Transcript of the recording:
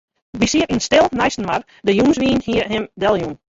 Wy sieten stil neistinoar, de jûnswyn hie him deljûn.